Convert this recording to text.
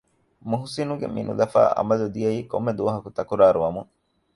މުހްސިނުގެ މިނުލަފާ އަމަލު ދިޔައީ ކޮންމެ ދުވަހަކު ތަކުރާރު ވަމުން